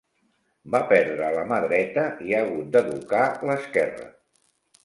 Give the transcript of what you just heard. Va perdre la mà dreta i ha hagut d'educar l'esquerra.